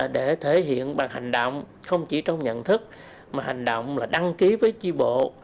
để thể hiện bằng hành động không chỉ trong nhận thức mà hành động là đăng ký với tri bộ